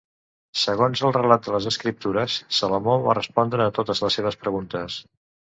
Segons el relat de les escriptures, Salomó va respondre a totes les seves preguntes.